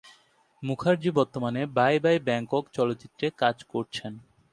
মুখার্জি বর্তমানে "bye bye Bangkok" চলচ্চিত্রে কাজ করেছেন।